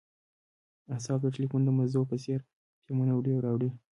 اعصاب د ټیلیفون د مزو په څیر پیامونه وړي او راوړي